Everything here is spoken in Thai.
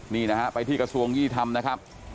นี่นะฮะไปที่กระทรวงยี่ธรรมนะครับ